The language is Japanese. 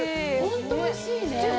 本当においしいね。